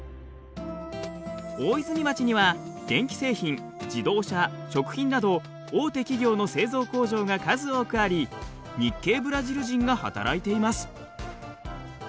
大泉町には電機製品自動車食品など大手企業の製造工場が数多くあり日系ブラジル人が働いています。